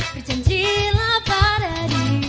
kercanjilah pada diriku